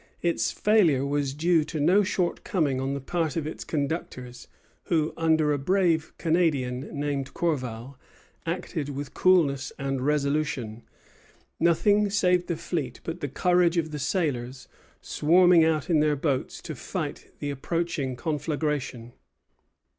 Its failure was due to no shortcoming on the part of its conductors; who, under a brave Canadian named Courval, acted with coolness and resolution. Nothing saved the fleet but the courage of the sailors, swarming out in their boats to fight the approaching conflagration.